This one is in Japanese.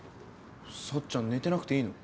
さっちゃん寝てなくていいの？